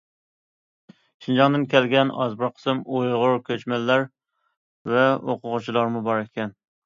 شىنجاڭدىن كەلگەن ئاز بىر قىسىم ئۇيغۇر كۆچمەنلەر ۋە ئوقۇغۇچىلارمۇ بار ئىكەن.